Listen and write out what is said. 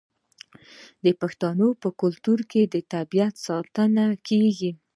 د پښتنو په کلتور کې د طبیعت ساتنه کیږي.